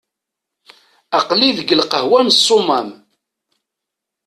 Aql-i deg lqahwa n Ṣumam.